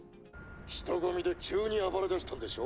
「人混みで急に暴れだしたんでしょ？